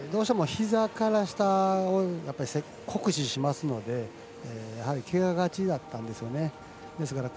どうしても、ひざから下を酷使しますのでけががちだったんですよね。